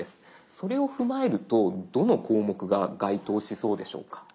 それを踏まえるとどの項目が該当しそうでしょうか？